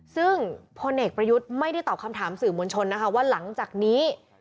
ซึ่งพลเอกประยุทธ์ไม่ได้ตอบคำถามสื่อมวลชนนะคะว่าหลังจากนี้